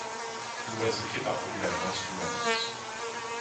Loisy fait partie de la Bresse louhannaise.